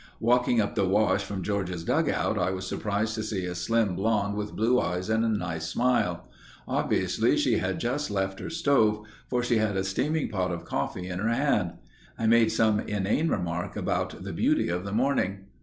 Walking up the wash from George's dugout I was surprised to see a slim blonde with blue eyes and a nice smile. Obviously she had just left her stove, for she had a steaming pot of coffee in her hand. I made some inane remark about the beauty of the morning.